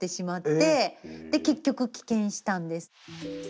で結局棄権したんです。